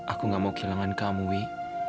aku gak mau kehilangan kamu wi